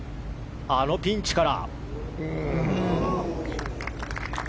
あのピンチから。